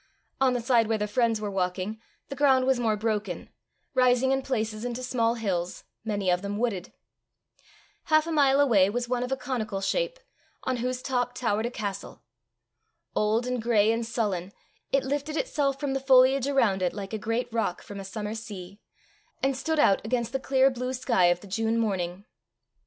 On the side where the friends were walking, the ground was more broken, rising in places into small hills, many of them wooded. Half a mile away was one of a conical shape, on whose top towered a castle. Old and gray and sullen, it lifted itself from the foliage around it like a great rock from a summer sea, and stood out against the clear blue sky of the June morning.